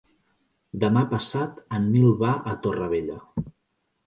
Demà passat en Nil va a Torrevella.